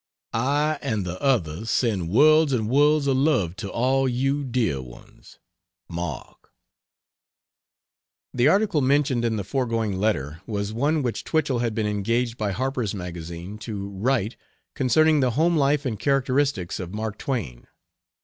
I and the others send worlds and worlds of love to all you dear ones. MARK. The article mentioned in the foregoing letter was one which Twichell had been engaged by Harper's Magazine to write concerning the home life and characteristics of Mark Twain.